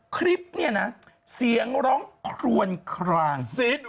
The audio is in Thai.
คลิปเนี่ยนะเสียงร้องคลวนคลางซิด